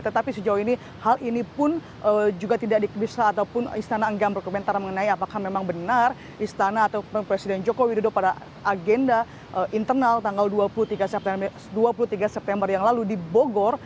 tetapi sejauh ini hal ini pun juga tidak bisa ataupun istana enggam berkomentar mengenai apakah memang benar istana ataupun presiden joko widodo pada agenda internal tanggal dua puluh tiga september yang lalu di bogor